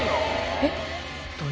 えっ。